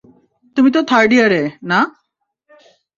তুমি তো থার্ড ইয়ারে, না?